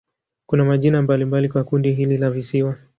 Kuna majina mbalimbali kwa kundi hili la visiwa.